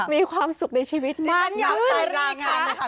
๑๙๙๙๙มีความสุขในชีวิตมากขึ้นที่ฉันอยากใช้รางงานนะคะ